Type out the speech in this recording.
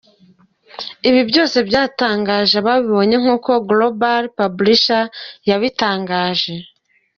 Ibi byose byatangaje ababibonye nkuko Global Publishers yabitangaje.